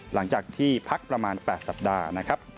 หลังจากที่พักประมาณ๘สัปดาห์นะครับ